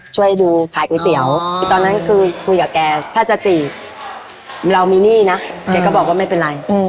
ช่วยดูขายกาแสเฉพาะนั้นนั้นคือคุยกับแกจะจะจีบเรามีหนี้นะก็บอกว่าไม่เป็นไร